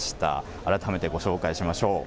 改めてご紹介しましょう。